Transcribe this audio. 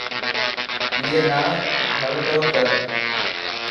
اي نا هرد تو.